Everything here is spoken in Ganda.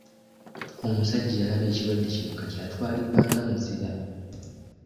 Omusajja eyalaba ekirwadde kino kati atwalibwa nga muzira.